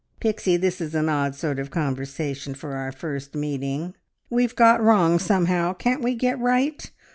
"Pixie, this is an odd sort of conversation for our first meeting! ... We've got wrong somehow. ... Can't we get right?